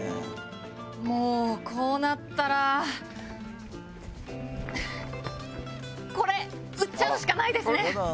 もうこうなったらこれ売っちゃうしかないですね！